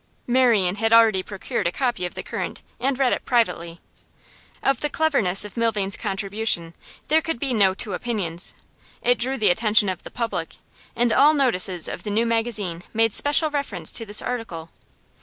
Marian had already procured a copy of The Current, and read it privately. Of the cleverness of Milvain's contribution there could be no two opinions; it drew the attention of the public, and all notices of the new magazine made special reference to this article.